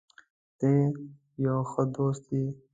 ته یو ښه دوست یې.